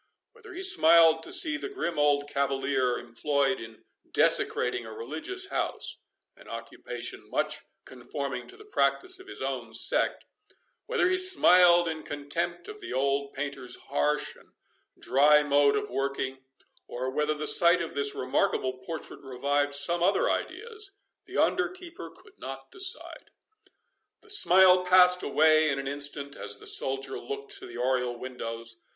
Whether he smiled to see the grim old cavalier employed in desecrating a religious house—(an occupation much conforming to the practice of his own sect)—whether he smiled in contempt of the old painter's harsh and dry mode of working—or whether the sight of this remarkable portrait revived some other ideas, the under keeper could not decide. The smile passed away in an instant, as the soldier looked to the oriel windows.